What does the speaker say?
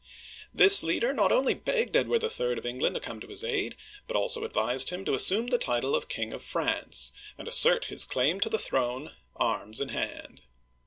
This leader not only begged Edward III. of England to come to his aid, but also advised him to as sume the title of King of France, and assert his claim to the throne, arms in hand.